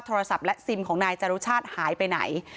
โทรศัพท์และซิมของนายจรุชาติหายไปไหน